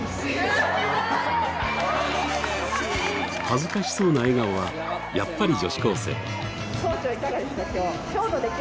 恥ずかしそうな笑顔はやっぱり女子高生。